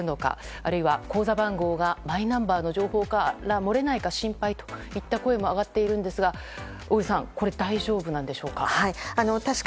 あるいは口座番号がマイナンバーの情報から漏れないか心配といった声も上がっているんですが小栗さん、大丈夫でしょうか？